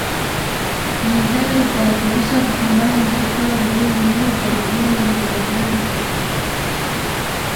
Wizara itahakikisha kupambana na kutoa elimu ili utamaduni wa mzanzibari usipotee